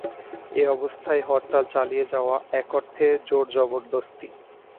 এ অবস্থায় হরতাল চালিয়ে যাওয়া এক অর্থে জোরজবরদস্তি।